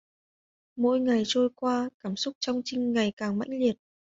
Mỗi ngày trôi qua cảm xúc trong Trinh ngày càng mãnh liệt